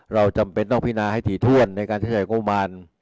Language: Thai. เราจำเป็นต้องพินาให้ถีท่วนในการใช้ใช้โมมัน